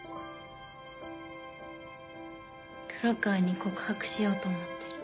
黒川に告白しようと思ってる。